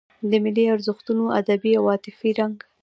د ملي ارزښتونو ادبي او عاطفي رنګ.